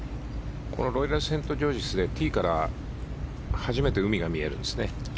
ロイヤルセントジョージズでティーから初めて海が見えるんですね。